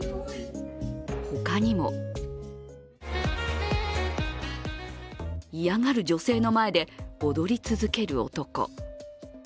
他にも嫌がる女性の前で踊り続ける男。